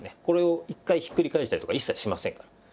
これを一回ひっくり返したりとか一切しませんから。